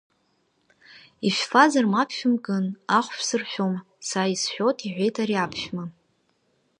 Ишәфазар, мап шәымкын, аху шәсыршәом, са исшәоит, — иҳәеит ари аԥшәма.